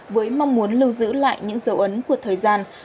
với mong muốn lưu giữ lại những dấu ấn của thời gian